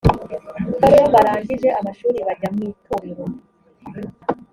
iyo barangije amashuri bajya mwitorero